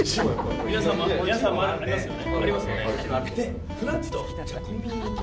皆さんもありますよね。